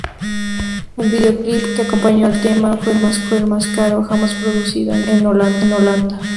El vídeoclip que acompañó al tema fue el más caro jamás producido en Holanda.